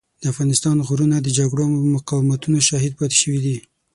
د افغانستان غرونه د جګړو او مقاومتونو شاهد پاتې شوي دي.